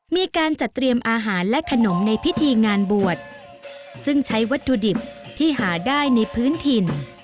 มีการจัดเตรียมอาหารและขนมในพิธีงานบวชซึ่งใช้วัตถุดิบที่หาได้ในพื้นถิ่น